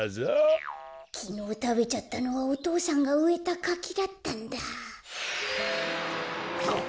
こころのこえきのうたべちゃったのはお父さんがうえたかきだったんだ。